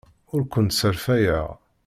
Ur kent-sserfayeɣ.